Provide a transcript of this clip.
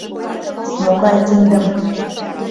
Могай киндым?